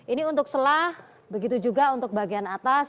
ini untuk selah begitu juga untuk bagian atas